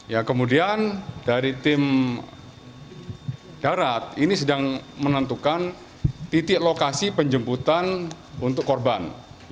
ya kemudian dari tim darat ini sedang menentukan titik lokasi penjemputan untuk korban